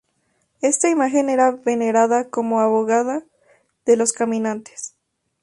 Esta imagen era venerada como abogada de los caminantes.